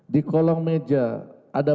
di kolong meja ada